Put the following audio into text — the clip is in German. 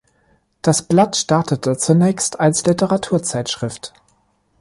Das Blatt startete zunächst als Literaturzeitschrift.